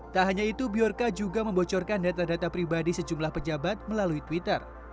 tak hanya itu bjorka juga membocorkan data data pribadi sejumlah pejabat melalui twitter